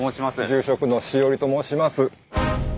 住職の塩入と申します。